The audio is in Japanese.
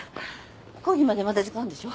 講義までまだ時間あるんでしょ？